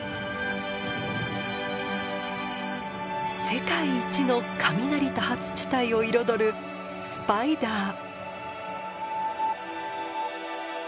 世界一の雷多発地帯を彩るスパイダー。